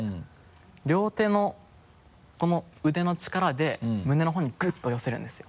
両手のこの腕の力で胸の方にグッと寄せるんですよ。